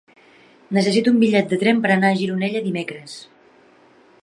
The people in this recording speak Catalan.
Necessito un bitllet de tren per anar a Gironella dimecres.